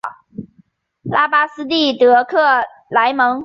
拉巴斯蒂德克莱蒙。